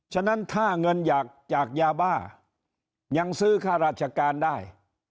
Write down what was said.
ฉะนั้นถ้าเงินอยากจากยาบ้ายังซื้อค่าราชการได้